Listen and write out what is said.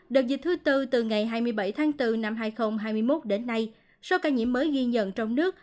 đợt dịch thứ tư từ ngày hai mươi bảy tháng bốn năm hai nghìn hai mươi một đến nay số ca nhiễm mới ghi nhận trong nước